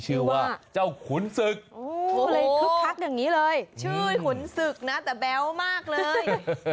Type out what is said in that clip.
ชื่อขุนศึกนะแต่แบ๊วมากเลย